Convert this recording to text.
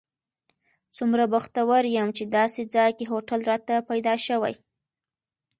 څومره بختور یم چې داسې ځای کې هوټل راته پیدا شوی.